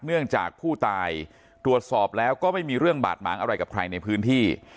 เนื่องจากผู้ตายตรวจสอบแล้วก็ไม่มีเรื่องบาดหมางอะไรกับใครในพื้นที่